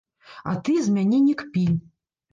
А ты з мяне не кпі!